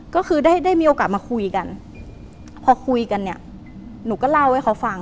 ก็คือได้ได้มีโอกาสมาคุยกันพอคุยกันเนี่ยหนูก็เล่าให้เขาฟัง